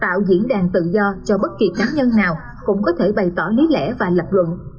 tạo diễn đàn tự do cho bất kỳ cá nhân nào cũng có thể bày tỏ lý lẽ và lập luận